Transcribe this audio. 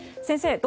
先生